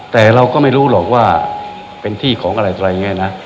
แต่เราก็ไม่รู้หรอกว่าเป็นที่ของอะไรอะไรอย่างนี้นะ